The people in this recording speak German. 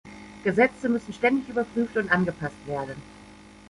Gesetze müssen ständig überprüft und angepasst werden.